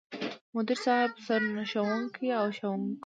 مدير صيب، سرښوونکو ،ښوونکو،